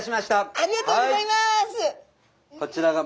ありがとうございます！